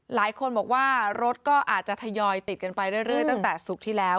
หลายคนบอกว่ารถก็อาจจะทยอยติดกันไปเรื่อยตั้งแต่ศุกร์ที่แล้ว